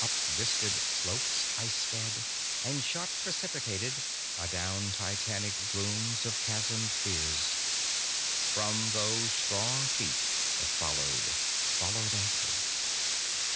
Up vistaed hopes, I sped; And shot, precipitated, Adown Titanic glooms of chasmèd fears, From those strong Feet that followed, followed after.